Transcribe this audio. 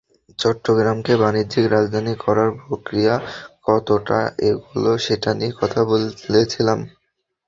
চট্টগ্রামকে বাণিজ্যিক রাজধানী করার প্রক্রিয়া কতটা এগোল, সেটা নিয়ে কথা বলেছিলাম।